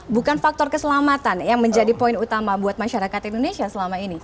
bukan faktor keselamatan yang menjadi poin utama buat masyarakat indonesia selama ini